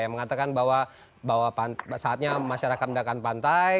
yang mengatakan bahwa saatnya masyarakat mendatangkan pantai